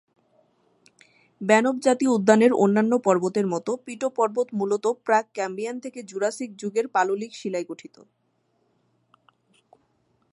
Banff জাতীয় উদ্যানের অন্যান্য পর্বতের মত পিটো পর্বত মূলত প্রাক-ক্যাম্ব্রিয়ান থেকে জুরাসিক যুগের পাললিক শিলায় গঠিত।